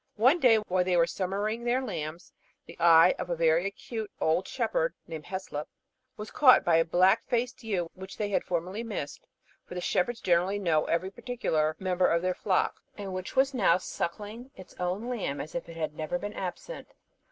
One day, while they were summering their lambs, the eye of a very acute old shepherd, named Hyslop, was caught by a black faced ewe which they had formerly missed (for the shepherds generally know every particular member of their flocks), and which was now suckling its own lamb as if it had never been absent.